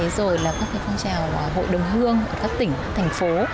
rồi là các phong trào hội đồng hương ở các tỉnh thành phố